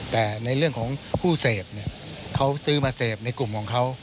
แต่ในเรื่องของผู้เสพเนี่ยเขาซื้อมาเสพในกลุ่มของเขา